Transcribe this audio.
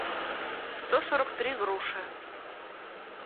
сто сорок три груши